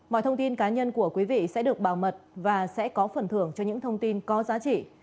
mọi thông tin cá nhân của quý vị sẽ được bảo mật và sẽ có phần thưởng cho những thông tin có giá trị